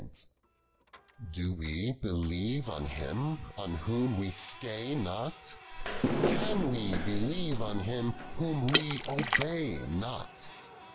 203 Doc* \vv Lflieve on Him, on Whom we stay not? Can we believe on Him, Whom we obey not